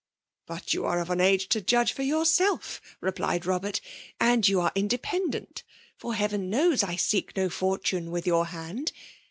"' But you are of an age to judge for your self' replied Bobert; ' and you are inde« pendent, — (or. Heaven knows, I seek no for tune with your hand!